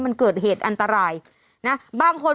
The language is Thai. วันนี้จะเป็นวันนี้